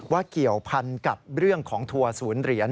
เกี่ยวพันกับเรื่องของทัวร์ศูนย์เหรียญ